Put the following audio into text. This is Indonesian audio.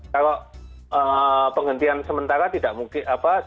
kalau penghentian sementara tidak mungkin apa